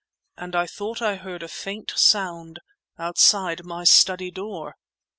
and I thought I heard a faint sound outside my study door!